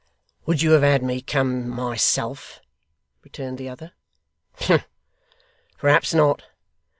'Would you have had me come myself?' returned the other. 'Humph! Perhaps not.